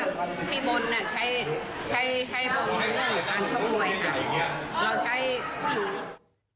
เราใช้